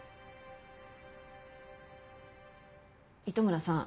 糸村さん